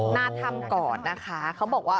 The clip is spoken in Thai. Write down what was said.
หน้าถ้ำก่อนนะคะ